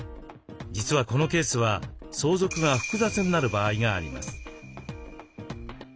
実はこのケースは相続が複雑になる場合があります。